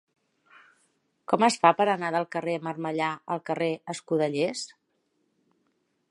Com es fa per anar del carrer de Marmellà al carrer d'Escudellers?